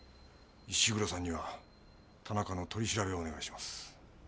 石黒さんには田中の取り調べをお願いします。